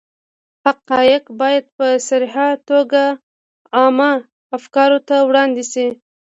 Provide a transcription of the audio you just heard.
حقایق باید په صریحه توګه عامه افکارو ته وړاندې شي.